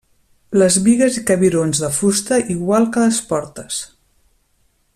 Les bigues i cabirons de fusta igual que les portes.